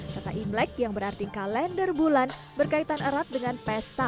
serta imlek yang berarti kalender bulan berkaitan erat dengan pesta